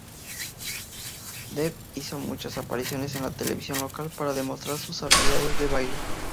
Dev hizo muchas apariciones en la televisión local para demostrar sus habilidades de baile.